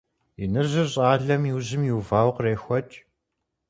Иныжьыр щӀалэм и ужьым иувауэ кърехуэкӀ.